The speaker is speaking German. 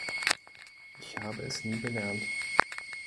Ich habe es nie gelernt.